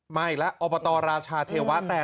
มาอีกแล้วอบตราชาเทวะ